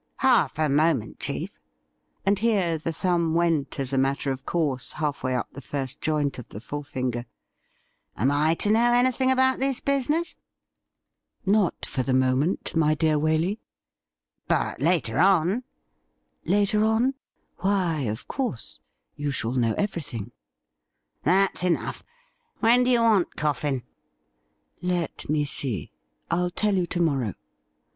'Half a moment, chief — and here the thumb went, as a matter of course, halfway up the first joint of the fore fino er ;' am I to know anything about this business ? AN EPOCH MATaNG DAY 193 ' Not for the moment, my dear Waley.' ' But later on ?' 'Later on? Why, of course — you shall know every thing.' ' That's enough. When do you want Coffin ?'' Let me see. I'll tell you to morrow.'